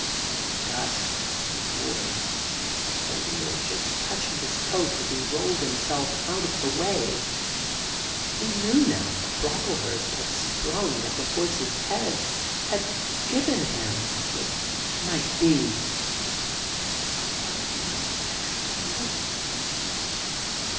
The dust, the noise, a wheel just touching his coat as he rolled himself out of the way. ... He knew now that Brockle hurst had sprung at the horses' heads, had given him, it might be, that one extra moment.